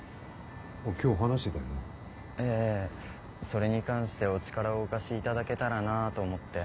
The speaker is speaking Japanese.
それに関してお力をお貸し頂けたらなと思って。